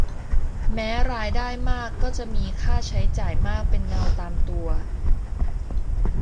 แม้รายได้มากก็จะมีค่าใช้จ่ายมากเป็นเงาตามตัว